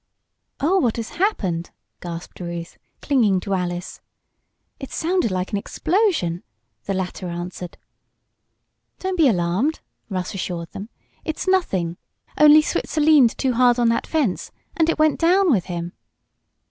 "Oh, what has happened?" gasped Ruth, clinging to Alice. "It sounded like an explosion!" the latter answered. "Don't be alarmed," Russ assured them. "It's nothing. Only Switzer leaned too hard on that fence and it went down with him."